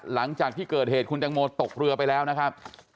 หลังจากที่เกิดเหตุคุณแตงโมตกเรือไปแล้วนะครับ